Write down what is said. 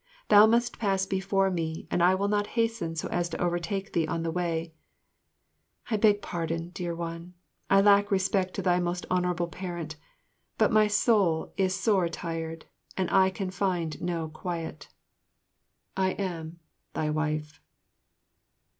Thou must pass before me, and I will not hasten so as to overtake thee on the way." I beg thy pardon, dear one. I lack respect to thy Most Honourable Parent, but my soul is sore tried and I can find no quite. I am, Thy Wife.